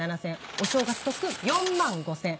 お正月特訓４万５０００円。